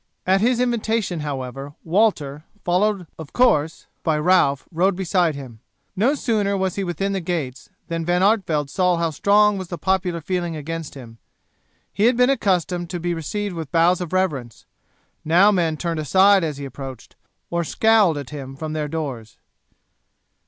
At his invitation, however, Walter, followed of course by Ralph, rode beside him. No sooner was he within the gates than Van Artevelde saw how strong was the popular feeling against him. He had been accustomed to be received with bows of reverence; now men turned aside as he approached, or scowled at him from their doors.